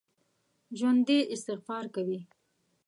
ژوندي استغفار کوي